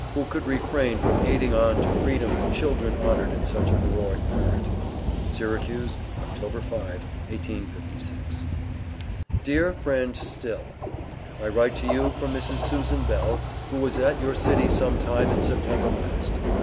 Who could refrain from aiding on to freedom children honored in such a heroic parent? SYRACUSE, Oct. 5, 1856. DEAR FRIEND STILL: I write to you for Mrs. Susan Bell, who was at your city some time in September last.